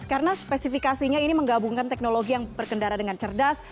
karena spesifikasinya ini menggabungkan teknologi yang berkendara dengan cerdas